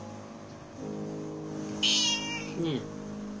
ねえ。